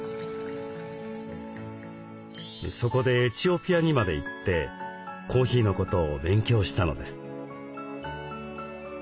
そこでエチオピアにまで行ってコーヒーのことを勉強したのです。